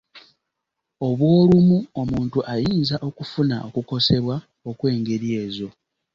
Obw’olumu, omuntu ayinza okufuna okukosebwa okw’engeri ezo.